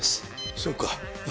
そうか。